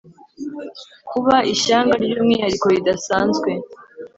kuba ishyanga ry'umwihariko ridasanzwe